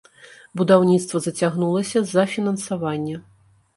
Будаўніцтва зацягнулася з-за фінансавання.